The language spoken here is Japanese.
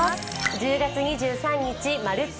１０月２３日「まるっと！